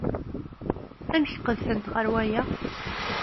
Amek qedfent ɣer waya?